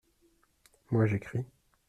Moi, j’écris.